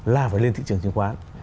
là phải lên thị trường chính khoán